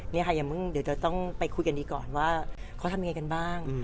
นี่ค่ะอย่าเพิ่งเดี๋ยวจะต้องไปคุยกันดีก่อนว่าเขาทำยังไงกันบ้าง